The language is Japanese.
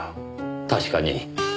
確かに。